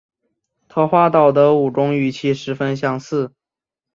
桃花岛的武功与其十分相似。